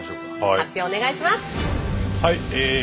発表お願いします！